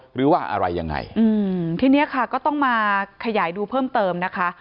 หรือว่าอะไรยังไงอืมทีนี้ค่ะก็ต้องมาขยายดูเพิ่มเติมนะคะ